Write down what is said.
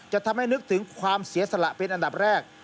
จะทำให้นึกถึงความเสียสละเป็นอันดับแรก